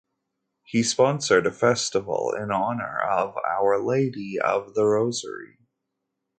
He sponsored a festival in honor of Our Lady of the Rosary.